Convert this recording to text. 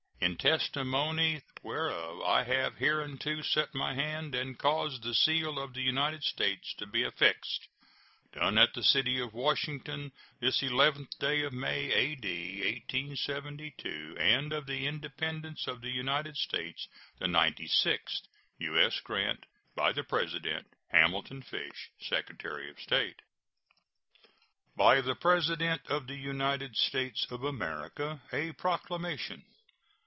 In testimony whereof I have hereunto set my hand and caused the seal of the United States to be affixed. [SEAL.] Done at the city of Washington, this 11th day of May, A.D. 1872, and of the Independence of the United States the ninety sixth. U.S. GRANT. By the President: HAMILTON FISH, Secretary of State. BY THE PRESIDENT OF THE UNITED STATES OF AMERICA. A PROCLAMATION.